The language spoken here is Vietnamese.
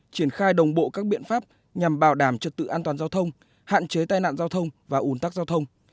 triển khai đồng bộ các biện pháp nhằm bảo đảm trật tự an toàn giao thông hạn chế tai nạn giao thông và ủn tắc giao thông